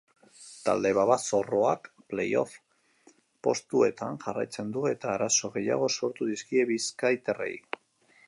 Talde babazorroak play-off postuetan jarraitzen du eta arazo gehiago sortu dizkie bizkaitarrei.